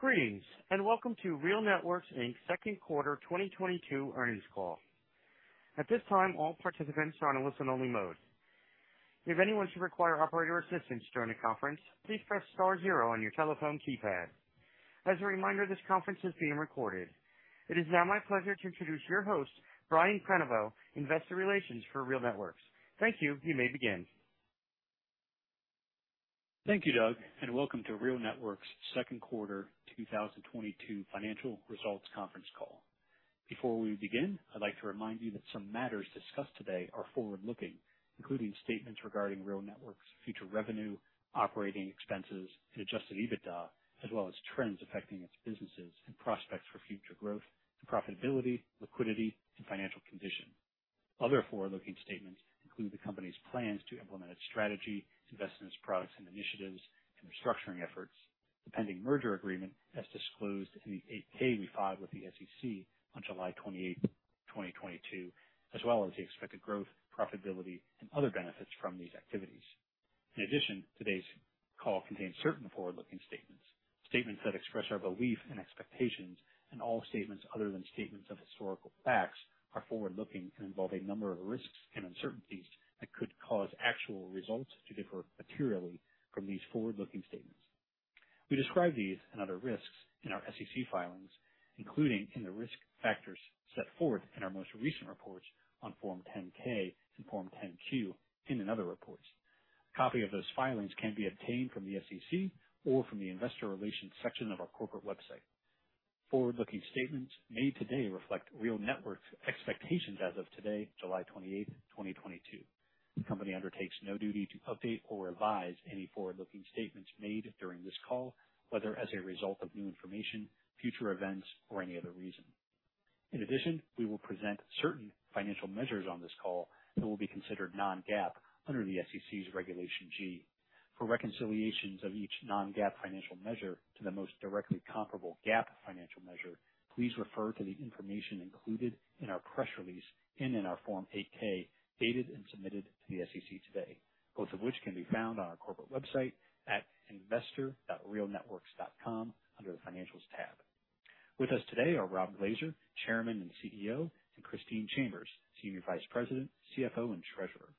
Greetings, and welcome to RealNetworks, Inc.'s Q2 2022 earnings call. At this time, all participants are in listen only mode. If anyone should require operator assistance during the conference, please press star zero on your telephone keypad. As a reminder, this conference is being recorded. It is now my pleasure to introduce your host, Brian M. Prenoveau, Investor Relations for RealNetworks. Thank you. You may begin. Thank you, Doug, and welcome to RealNetworks' Q2 2022 financial results conference call. Before we begin, I'd like to remind you that some matters discussed today are forward-looking, including statements regarding RealNetworks' future revenue, operating expenses, and adjusted EBITDA, as well as trends affecting its businesses and prospects for future growth and profitability, liquidity, and financial condition. Other forward-looking statements include the company's plans to implement its strategy, to invest in its products and initiatives, and restructuring efforts, the pending merger agreement as disclosed in the 8-K we filed with the SEC on July 28, 2022, as well as the expected growth, profitability, and other benefits from these activities. In addition, today's call contains certain forward-looking statements. Statements that express our belief and expectations, and all statements other than statements of historical facts, are forward-looking and involve a number of risks and uncertainties that could cause actual results to differ materially from these forward-looking statements. We describe these and other risks in our SEC filings, including in the risk factors set forth in our most recent reports on Form 10-K and Form 10-Q, and in other reports. A copy of those filings can be obtained from the SEC or from the investor relations section of our corporate website. Forward-looking statements made today reflect RealNetworks' expectations as of today, July twenty-eighth, twenty twenty-two. The company undertakes no duty to update or revise any forward-looking statements made during this call, whether as a result of new information, future events, or any other reason. In addition, we will present certain financial measures on this call that will be considered non-GAAP under the SEC's Regulation G. For reconciliations of each non-GAAP financial measure to the most directly comparable GAAP financial measure, please refer to the information included in our press release and in our Form 8-K, dated and submitted to the SEC today, both of which can be found on our corporate website at investor.realnetworks.com, under the Financials tab. With us today are Rob Glaser, Chairman and CEO, and Christine Chambers, Senior Vice President, CFO, and Treasurer.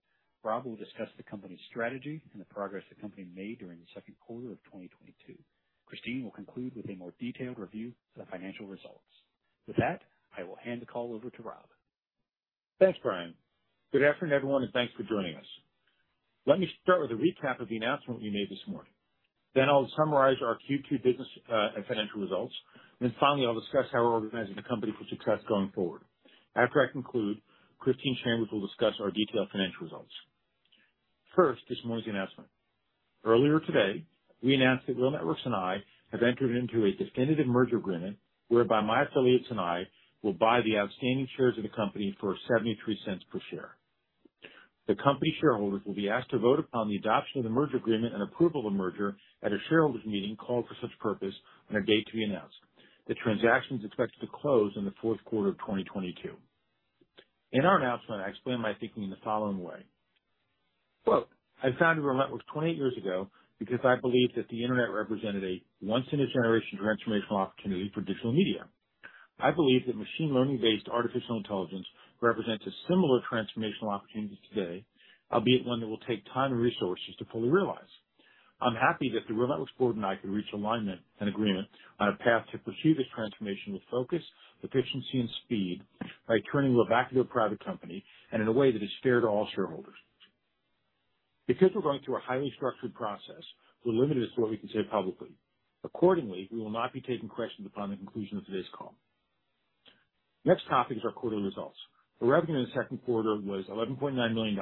Rob will discuss the company's strategy and the progress the company made during the Q2 of 2022. Christine will conclude with a more detailed review of the financial results. With that, I will hand the call over to Rob. Thanks, Brian. Good afternoon, everyone, and thanks for joining us. Let me start with a recap of the announcement we made this morning. I'll summarize our Q2 business and financial results. Finally, I'll discuss how we're organizing the company for success going forward. After I conclude, Christine Chambers will discuss our detailed financial results. First, this morning's announcement. Earlier today, we announced that RealNetworks and I have entered into a definitive merger agreement whereby my affiliates and I will buy the outstanding shares of the company for $0.73 per share. The company shareholders will be asked to vote upon the adoption of the merger agreement and approval of the merger at a shareholders meeting called for such purpose on a date to be announced. The transaction's expected to close in the Q4 of 2022. In our announcement, I explained my thinking in the following way. Quote, "I founded RealNetworks 28 years ago because I believed that the internet represented a once in a generation transformational opportunity for digital media. I believe that machine learning-based artificial intelligence represents a similar transformational opportunity today, albeit one that will take time and resources to fully realize. I'm happy that the RealNetworks board and I could reach alignment and agreement on a path to pursue this transformation with focus, efficiency, and speed by turning RealNetworks back into a private company, and in a way that is fair to all shareholders." Because we're going through a highly structured process, we're limited as to what we can say publicly. Accordingly, we will not be taking questions upon the conclusion of today's call. Next topic is our quarterly results. The revenue in the Q2 was $11.9 million,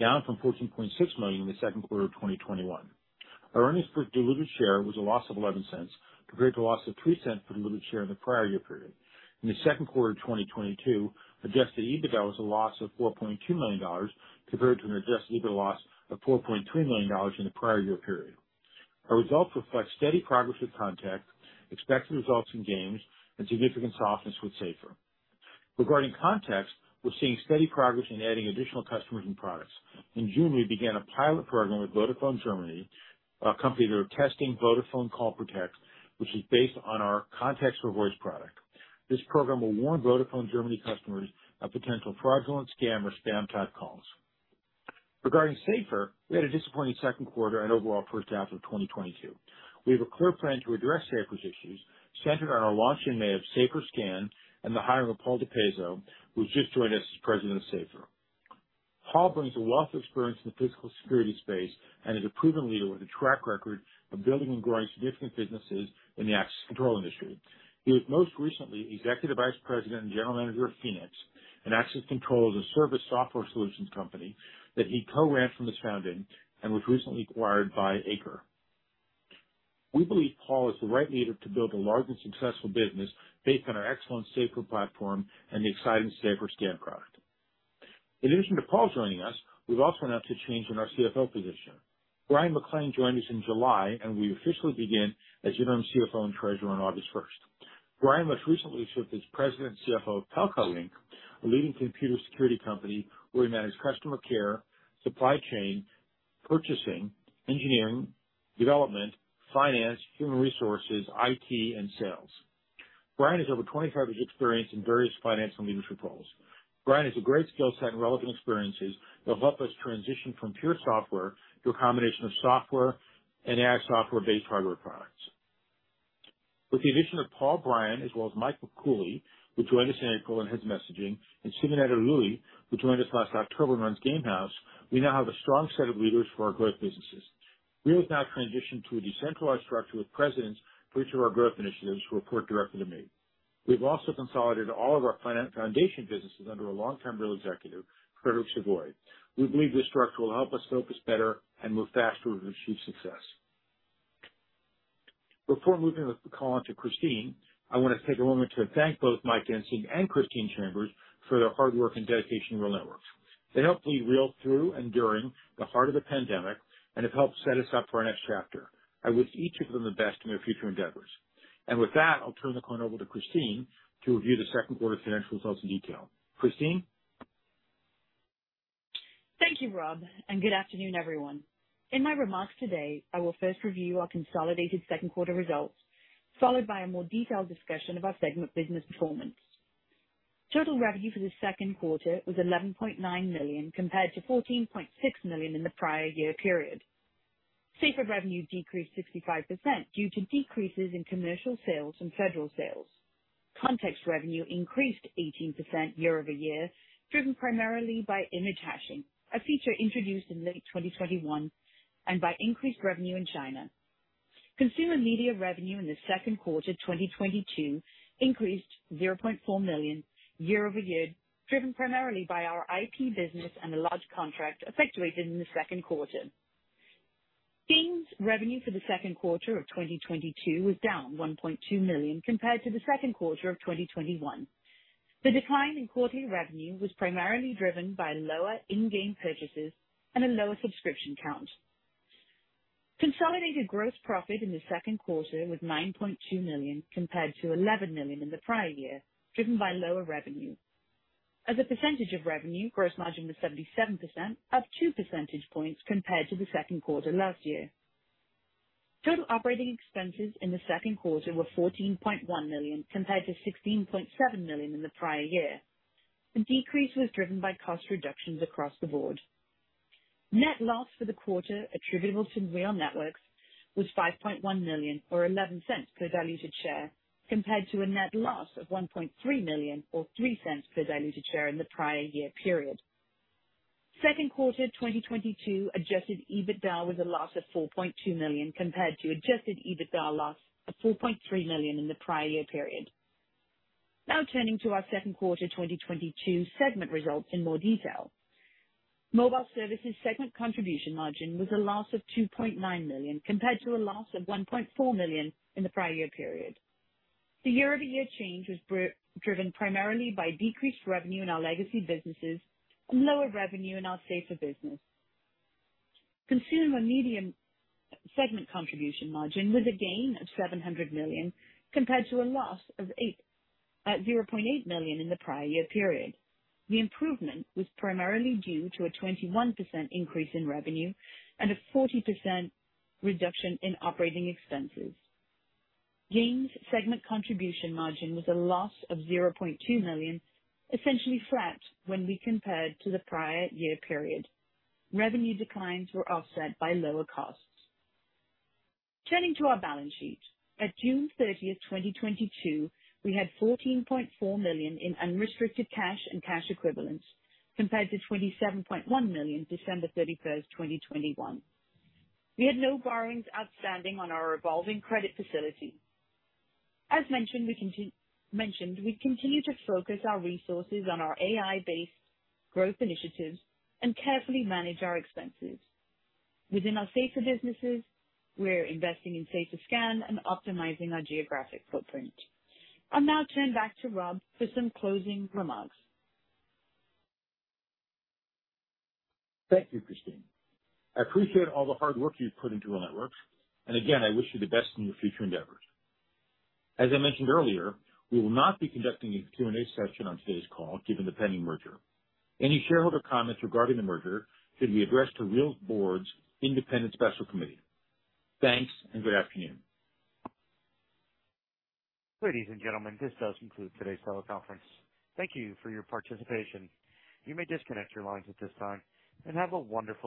down from $14.6 million in the Q2 of 2021. Our earnings per diluted share was a loss of $0.11, compared to a loss of $0.03 per diluted share in the prior year period. In the Q2 of 2022, adjusted EBITDA was a loss of $4.2 million, compared to an adjusted EBITDA loss of $4.2 million in the prior year period. Our results reflect steady progress with KONTXT, expected results in Games, and significant softness with SAFR. Regarding KONTXT, we're seeing steady progress in adding additional customers and products. In June, we began a pilot program with Vodafone Germany, a company that are testing Vodafone CallProtect, which is based on our KONTXT for Voice product. This program will warn Vodafone Germany customers of potential fraudulent scam or spam type calls. Regarding SAFR, we had a disappointing Q2 and overall H1 of 2022. We have a clear plan to address SAFR's issues centered on our launch in May of SAFR SCAN and the hiring of Paul DiPeso, who's just joined us as president of SAFR. Paul brings a wealth of experience in the physical security space and is a proven leader with a track record of building and growing significant businesses in the access control industry. He was most recently executive vice president and general manager of Feenics, an access control as a service software solutions company that he co-ran from its founding and was recently acquired by ACRE. We believe Paul is the right leader to build a large and successful business based on our excellent SAFR platform and the exciting SAFR SCAN product. In addition to Paul joining us, we have also announced a change in our CFO position. Brian McClain joined us in July and will officially begin as interim CFO and Treasurer on August first. Brian most recently served as President and CFO of Telos, a leading computer security company where he managed customer care, supply chain, purchasing, engineering, development, finance, human resources, IT, and sales. Brian has over 25 years experience in various financial leadership roles. Brian has a great skill set and relevant experiences that help us transition from pure software to a combination of software and AI software-based hardware products. With the addition of Paul, Brian, as well as Michael A. Cooley, who joined us in April and heads messaging, and Siva Natarajan, who joined us last October and runs GameHouse, we now have a strong set of leaders for our growth businesses. We have now transitioned to a decentralized structure with presidents for each of our growth initiatives who report directly to me. We've also consolidated all of our foundation businesses under a long-term Real executive, Frederick Savoye. We believe this structure will help us focus better and move faster as we achieve success. Before moving the call on to Christine, I wanna take a moment to thank both Mike and Steve and Christine Chambers for their hard work and dedication to RealNetworks. They helped lead Real through and during the heart of the pandemic and have helped set us up for our next chapter. I wish each of them the best in their future endeavors. With that, I'll turn the call over to Christine to review the Q2 financial results in detail. Christine? Thank you, Rob, and good afternoon, everyone. In my remarks today, I will first review our consolidated Q2 results, followed by a more detailed discussion of our segment business performance. Total revenue for the Q2 was $11.9 million, compared to $14.6 million in the prior year period. SAFR revenue decreased 65% due to decreases in commercial sales and federal sales. KONTXT revenue increased 18% year-over-year, driven primarily by image hashing, a feature introduced in late 2021, and by increased revenue in China. Consumer Media revenue in the Q2, 2022 increased $0.4 million year-over-year, driven primarily by our IT business and a large contract effectuated in the Q2. Games revenue for the Q2 of 2022 was down $1.2 million compared to the Q2 of 2021. The decline in quarterly revenue was primarily driven by lower in-game purchases and a lower subscription count. Consolidated gross profit in the Q2 was $9.2 million compared to $11 million in the prior year, driven by lower revenue. As a percentage of revenue, gross margin was 77%, up 2 percentage points compared to the Q2 last year. Total operating expenses in the Q2 were $14.1 million compared to $16.7 million in the prior year. The decrease was driven by cost reductions across the board. Net loss for the quarter attributable to RealNetworks was $5.1 million, or $0.11 per diluted share, compared to a net loss of $1.3 million, or $0.03 per diluted share in the prior year period. Q2 2022 adjusted EBITDA was a loss of $4.2 million compared to adjusted EBITDA loss of $4.3 million in the prior year period. Now turning to our Q2 2022 segment results in more detail. Mobile Services segment contribution margin was a loss of $2.9 million, compared to a loss of $1.4 million in the prior year period. The year-over-year change was driven primarily by decreased revenue in our legacy businesses and lower revenue in our SAFR business. Consumer Media segment contribution margin was a gain of $0.7 million compared to a loss of $0.8 million in the prior year period. The improvement was primarily due to a 21% increase in revenue and a 40% reduction in operating expenses. Games segment contribution margin was a loss of $0.2 million, essentially flat when we compared to the prior year period. Revenue declines were offset by lower costs. Turning to our balance sheet, at June 30, 2022, we had $14.4 million in unrestricted cash and cash equivalents, compared to $27.1 million December 31, 2021. We had no borrowings outstanding on our revolving credit facility. As mentioned, we continue to focus our resources on our AI-based growth initiatives and carefully manage our expenses. Within our SAFR businesses, we're investing in SAFR SCAN and optimizing our geographic footprint. I'll now turn back to Rob for some closing remarks. Thank you, Christine. I appreciate all the hard work you've put into RealNetworks, and again, I wish you the best in your future endeavors. As I mentioned earlier, we will not be conducting a Q&A session on today's call, given the pending merger. Any shareholder comments regarding the merger should be addressed to RealNetworks Board's independent special committee. Thanks, and good afternoon. Ladies and gentlemen, this does conclude today's teleconference. Thank you for your participation. You may disconnect your lines at this time, and have a wonderful day.